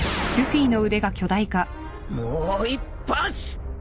もう一発！